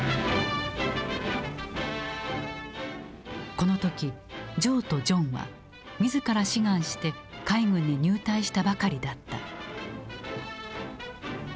この時ジョーとジョンは自ら志願して海軍に入隊したばかりだった。